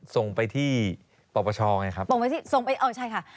ส่งไปที่ปรปชใช่ค่ะ